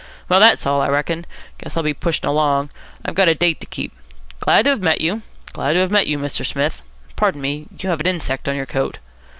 Well, that's all, I reckon. Guess I'll be pushing along. I've a date to keep. Glad to have met you. Glad to have met you, Mr. Smith. Pardon me, you have an insect on your coat."